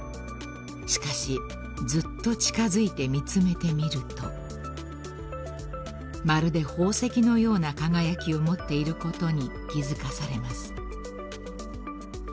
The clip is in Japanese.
［しかしずっと近づいて見詰めてみるとまるで宝石のような輝きを持っていることに気付かされます］